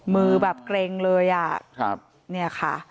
มือแบบเกร็งเลยอ่ะเนี่ยค่ะ